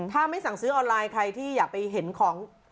ถ้าไม่สั่งซื้อออนไลน์ใครที่อยากไปเห็นของ